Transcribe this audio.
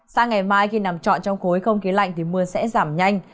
sang ngày mai khi nằm trọn trong khối không khí lạnh thì mưa sẽ giảm nhanh